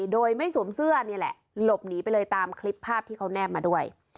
โดยไม่สวมเสื้อนี่แหละหลบหนีไปเลยตามคลิปภาพที่เขาแนบมาด้วย